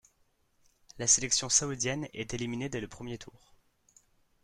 La sélection saoudienne est éliminée dès le premier tour.